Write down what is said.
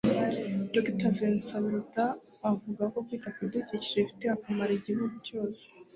Dr Vincent Biruta avuga ko kwita ku bidukikije bifitiye akamaro igihugu cyose